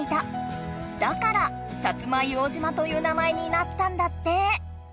だから薩摩硫黄島という名前になったんだって。